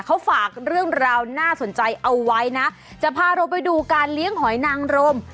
เขาฝากเรื่องราวน่าสนใจเอาไว้นะจะพาเราไปดูการเลี้ยงหอยนางรม